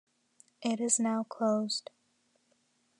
It is now closed.